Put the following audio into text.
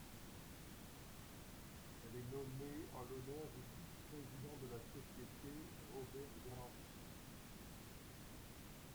Elle est nommée en l'honneur du vice-président de la société, Robert Grant.